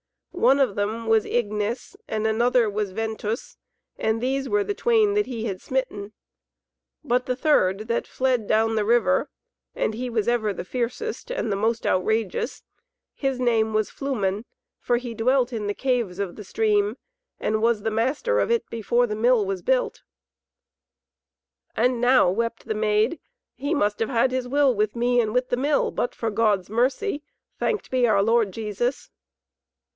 One of them was Ignis, and another was Ventus, and these were the twain that he had smitten. But the third, that fled down the river (and he was ever the fiercest and the most outrageous), his name was Flumen, for he dwelt in the caves of the stream, and was the master of it before the Mill was built. "And now," wept the Maid, "he must have had his will with me and with the Mill, but for God's mercy, thanked be our Lord Jesus!"